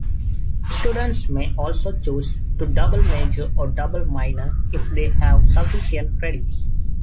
Students may also choose to double-major or double-minor if they have sufficient credits.